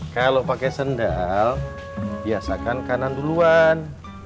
kalau pakai sendal biasakan kanan duluan